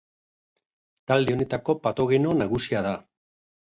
Talde honetako patogeno nagusia da.